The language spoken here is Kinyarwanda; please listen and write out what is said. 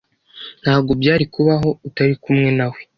Ntabwo byari kubaho utari kumwe nawe.